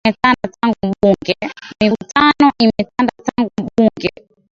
Mivutano imetanda tangu bunge